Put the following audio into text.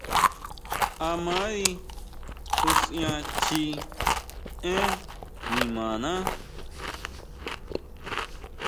A mari jusian chji énn nimaná.